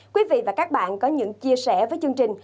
quý vị và các bạn có những chia sẻ với chương trình